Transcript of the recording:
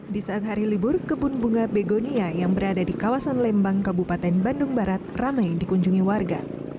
di saat hari libur kebun bunga begonia yang berada di kawasan lembang kabupaten bandung barat ramai dikunjungi warga